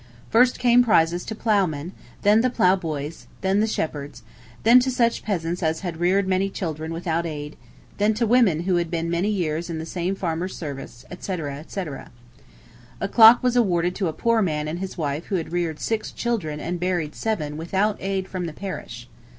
... First came prizes to ploughmen, then the plough boys, then the shepherds, then to such peasants as had reared many children without aid, then to women who had been many years in the same farmer's service, etc., etc. A clock was awarded to a poor man and his wife who had reared six children and buried seven without aid from the parish.